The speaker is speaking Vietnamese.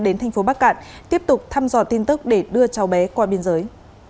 đến thành phố bắc cạn tiếp tục thăm dò tin tức để đưa cháu bé qua biên giới